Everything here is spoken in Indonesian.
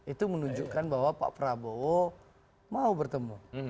itu menunjukkan bahwa pak prabowo mau bertemu